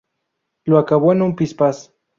Lo acabo en un pispás